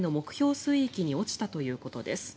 水域に落ちたということです。